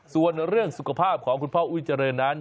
ส่วนเรื่องสุขภาพของคุณพ่ออุ้ยเจริญนั้น